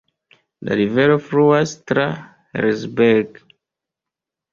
La rivero fluas tra Herzberg.